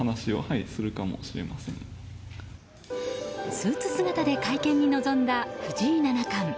スーツ姿で会見に臨んだ藤井七冠。